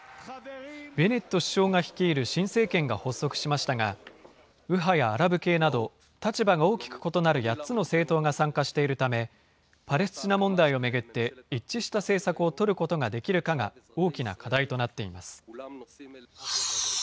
ベネット首相が率いる新政権が発足しましたが、右派やアラブ系など、立場が大きく異なる８つの政党が参加しているため、パレスチナ問題を巡って一致した政策を取ることができるかが大きな課題となっています。